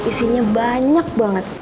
isinya banyak banget